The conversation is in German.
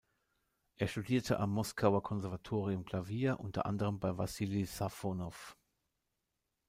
Er studierte am Moskauer Konservatorium Klavier, unter anderem bei Wassili Safonow.